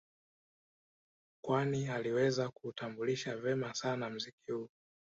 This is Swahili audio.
Kwani aliweza kuutambulisha vema sana mziki huu